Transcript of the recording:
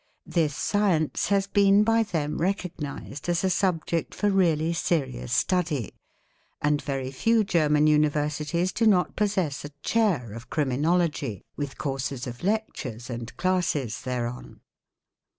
This science has been by them recognised as a subject for really serious study, and very few German Universities do not possess a chair of Criminology, with "courses of lectures and classes thereon.